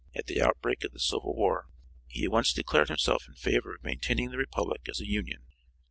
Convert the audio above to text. At the outbreak of the civil war he at once declared himself in favor of maintaining the Republic as a Union.